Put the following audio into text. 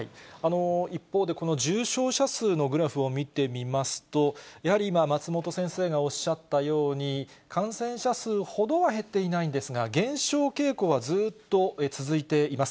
一方でこの重症者数のグラフを見てみますと、やはり今、松本先生がおっしゃったように、感染者数ほどは減っていないんですが、減少傾向はずっと続いています。